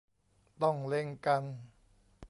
ต้องเล็งกัน